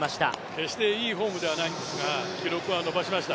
決していいフォームではないんですが、記録は伸ばしました。